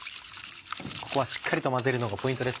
ここはしっかりと混ぜるのがポイントですか？